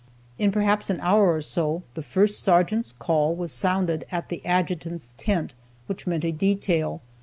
In perhaps an hour or so the first sergeant's call was sounded at the adjutant's tent, which meant a detail.